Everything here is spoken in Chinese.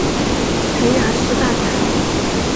谭雅士大宅。